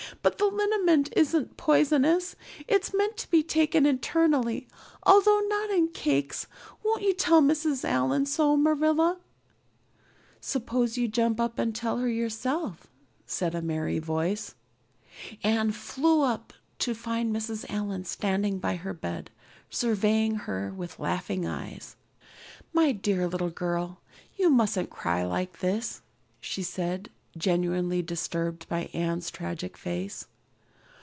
But the liniment isn't poisonous. It's meant to be taken internally although not in cakes. Won't you tell Mrs. Allan so, Marilla?" "Suppose you jump up and tell her so yourself," said a merry voice. Anne flew up, to find Mrs. Allan standing by her bed, surveying her with laughing eyes. "My dear little girl, you mustn't cry like this," she said, genuinely disturbed by Anne's tragic face.